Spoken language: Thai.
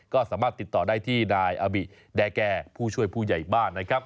ก็สามารถติดต่อได้ที่นายอาบิแดแก่ผู้ช่วยผู้ใหญ่บ้านนะครับ